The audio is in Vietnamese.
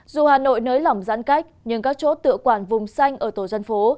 dù hà nội nới lỏng giãn cách nhưng các chỗ tựa quản vùng xanh ở tổ dân phố